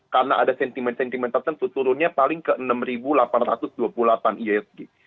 karena ada sentiment sentiment tertentu turunnya paling ke enam delapan ratus dua puluh delapan isg